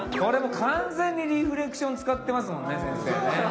これも完全にリフレクション使ってますもんね先生ね。